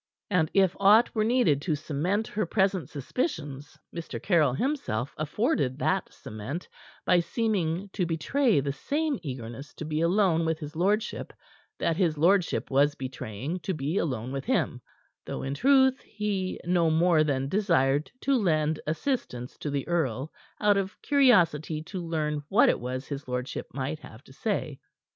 And if aught were needed to cement her present suspicions, Mr. Caryll himself afforded that cement, by seeming to betray the same eagerness to be alone with his lordship that his lordship was betraying to be alone with him; though, in truth, he no more than desired to lend assistance to the earl out of curiosity to learn what it was his lordship might have to say.